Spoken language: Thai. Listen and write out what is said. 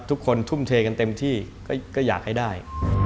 ทุกคนทุ่มเทกันเต็มที่ก็อยากให้ได้